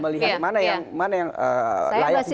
melihat mana yang layak dibawa